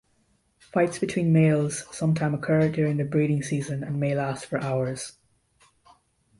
Fights between males sometime occur during the breeding season and may last for hours.